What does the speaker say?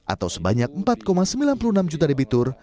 atau sebanyak empat sembilan puluh enam juta debitur